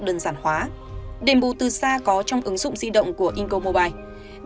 của các nhà hóa đền bù từ xa có trong ứng dụng di động của incomobile